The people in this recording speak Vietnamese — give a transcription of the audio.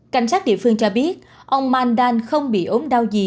cảnh sát địa phương cho biết ông mandan không bị ốm đau gì